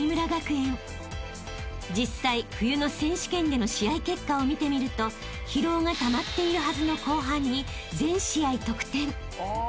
［実際冬の選手権での試合結果を見てみると疲労がたまっているはずの後半に全試合得点］